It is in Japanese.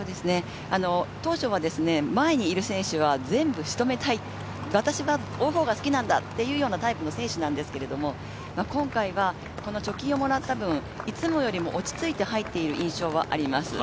当初は前にいる選手は全部仕留めたい私は追う方が好きなんだというタイプの選手なんですが今回は貯金をもらった分いつもよりは落ち着いて走っている印象はあります。